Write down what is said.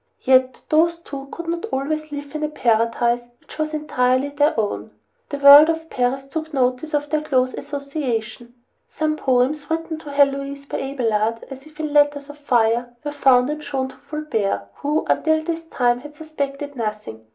Yet these two could not always live in a paradise which was entirely their own. The world of Paris took notice of their close association. Some poems written to Heloise by Abelard, as if in letters of fire, were found and shown to Fulbert, who, until this time, had suspected nothing.